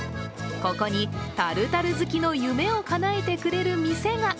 ここにタルタル好きの夢をかなえてくれる店が。